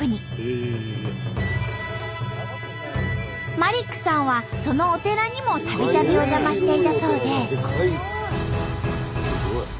マリックさんはそのお寺にもたびたびお邪魔していたそうで。